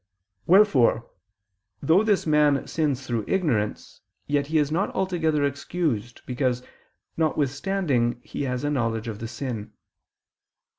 Wherefore, though this man sins through ignorance, yet he is not altogether excused, because, not withstanding, he has knowledge of the sin.